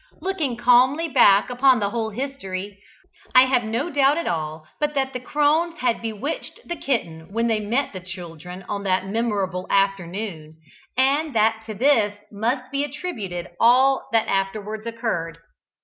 Looking calmly back upon the whole history, I have no doubt at all but that the crones had bewitched the kitten when they met the children on that memorable afternoon, and that to this must be attributed all that afterwards occurred.